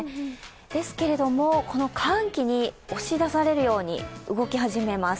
ですけれども、この寒気に押し出されるように動き始めます。